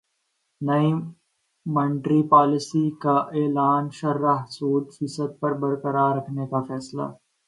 نئی monetary policy کا اعلان شرح سود فیصد پر برقرار رکھنے کا فیصلہ